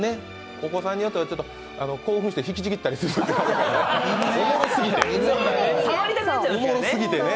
お子さんによっては、ちょっと興奮して引きちぎったりする、おもろすぎてね。